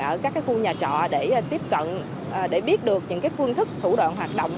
ở các khu nhà trọ để biết được những phương thức thủ đoạn hoạt động